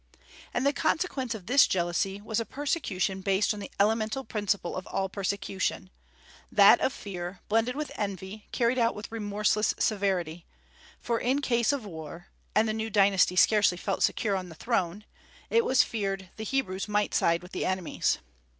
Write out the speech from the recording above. And the consequence of this jealousy was a persecution based on the elemental principle of all persecution, that of fear blended with envy, carried out with remorseless severity; for in case of war (and the new dynasty scarcely felt secure on the throne) it was feared the Hebrews might side with enemies.